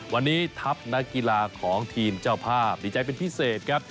วันนี้ทัพนักกีฬาของทีมเจ้าภาพดีใจเป็นพิเศษครับ